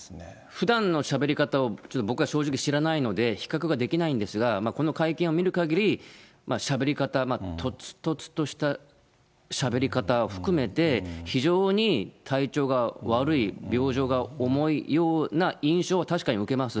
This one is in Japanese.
ふだんのしゃべり方をちょっと僕は正直知らないので、比較ができないんですが、この会見を見るかぎり、しゃべり方、とつとつとしたしゃべり方を含めて、非常に体調が悪い、病状が重いような印象は確かに受けます。